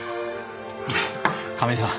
亀井さん